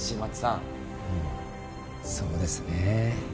うんそうですね